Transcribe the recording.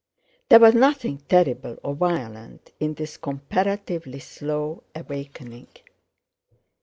There was nothing terrible or violent in this comparatively slow awakening.